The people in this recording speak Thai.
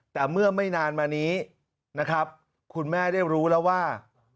แต่เมื่อไม่นานมานี้นะครับคุณแม่ได้รู้แล้วว่า